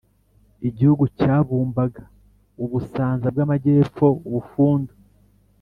igihugu cyabumbaga u busanza bw'amajyepfo, u bufundu,